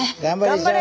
頑張れ！